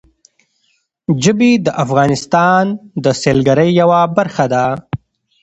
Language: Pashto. ژبې د افغانستان د سیلګرۍ یوه برخه ده.